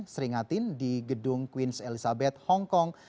seringatin di gedung queens elizabeth hongkong